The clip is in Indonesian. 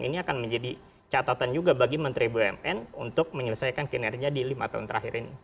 ini akan menjadi catatan juga bagi menteri bumn untuk menyelesaikan kinerja di lima tahun terakhir ini